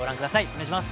お願いします。